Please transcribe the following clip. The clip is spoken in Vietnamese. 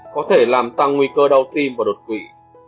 có thể làm tăng nguy cơ đau tim và đột quỵ